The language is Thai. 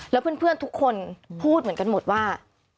แล้วเพื่อนทุกคนพูดเหมือนกันหมดว่า